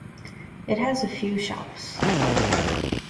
It has a few shops.